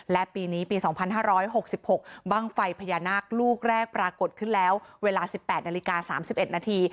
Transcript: และปีนี้ปี๒๕๖๖บ้างไฟพญานาคลูกแรกปรากฏขึ้นแล้วเวลา๑๘นาฬิกา๓๑นาที